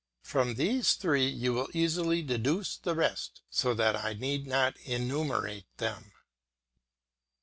From these three you will easily deduce the rest, so that I need not enumerate them.